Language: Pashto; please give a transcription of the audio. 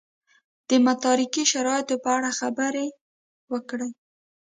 د متارکې د شرایطو په اړه یې خبرې وکړې.